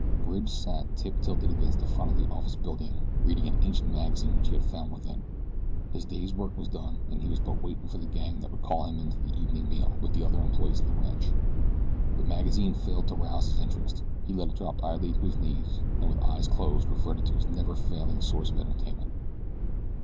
Bridge sat tip tilted against the front of the office building reading an ancient magazine which he had found within. His day's work was done and he was but waiting for the gong that would call him to the evening meal with the other employees of the ranch. The magazine failed to rouse his interest. He let it drop idly to his knees and with eyes closed reverted to his never failing source of entertainment.